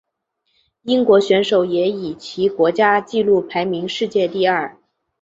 英国选手也以其国家纪录排名世界第二。